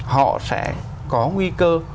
họ sẽ có nguy cơ